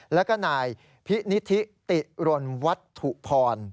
แล้วก็นายพินิธิติรนวัตถุพร